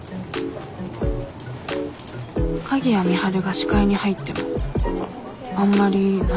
鍵谷美晴が視界に入ってもあんまり何も感じない自分。